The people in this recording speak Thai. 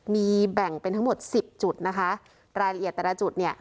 มีแบ่งเป็นทั้งหมดสิบจุดนะคะรายละเอียดแต่ละจุดเนี่ย